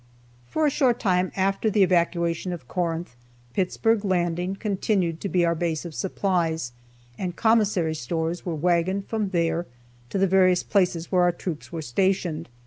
For a short time after the evacuation of Corinth, Pittsburg Landing continued to be our base of supplies, and commissary stores were wagoned from there to the various places where our troops were stationed.